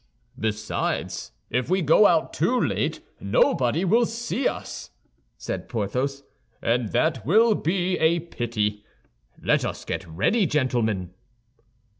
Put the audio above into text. "Besides, if we go out too late, nobody will see us," said Porthos, "and that will be a pity. Let us get ready, gentlemen."